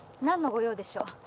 何の御用でしょう？